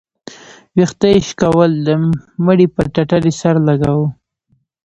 ويښته يې شكول د مړي پر ټټر يې سر لګاوه.